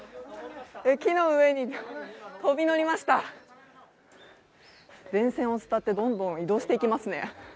木の上に飛び乗りました電線を伝ってどんどん移動していきますね。